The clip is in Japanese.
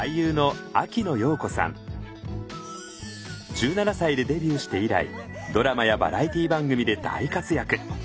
１７歳でデビューして以来ドラマやバラエティー番組で大活躍。